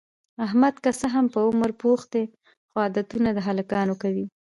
احمد که څه هم په عمر پوخ دی، خو عادتونه د هلکانو کوي.